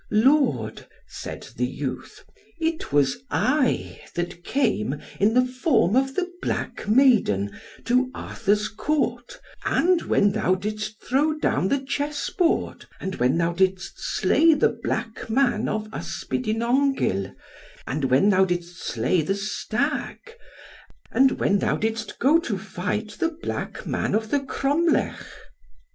"Lord," said the youth, "it was I that came in the form of the black maiden to Arthur's Court, and when thou didst throw down the chessboard, and when thou didst slay the black man of Ysbidinongyl, and when thou didst slay the stag, and when thou didst go to fight the black man of the cromlech.